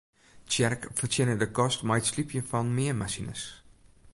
Tsjerk fertsjinne de kost mei it slypjen fan meanmasines.